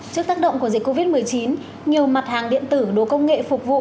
trước tác động của dịch covid một mươi chín nhiều mặt hàng điện tử đồ công nghệ phục vụ